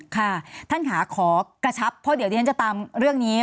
ค่ะท่านค่ะขอกระชับเพราะเดี๋ยวดิฉันจะตามเรื่องนี้